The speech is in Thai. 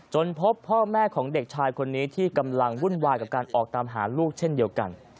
พบพ่อแม่ของเด็กชายคนนี้ที่กำลังวุ่นวายกับการออกตามหาลูกเช่นเดียวกัน